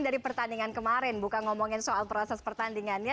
jadi pertandingan kemarin bukan ngomongin soal proses pertandingannya